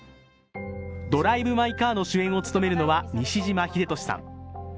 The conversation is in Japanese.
「ドライブ・マイ・カー」の主演を務めるのは西島秀俊さん。